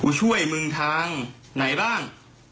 ช่วยมึงทางไหนบ้าง